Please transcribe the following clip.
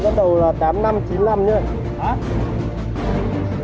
con cá đang sắp đầu là tám năm chín năm nhé